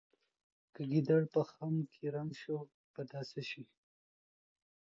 که ګیدړ په خم کې رنګ شو په دا څه شي.